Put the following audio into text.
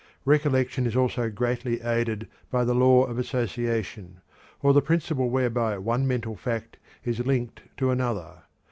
Recollection is also greatly aided by the law of association, or the principle whereby one mental fact is linked to another.